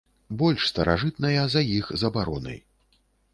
Больш старажытная за іх забароны.